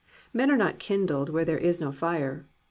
Men are not kindled where there is no fire.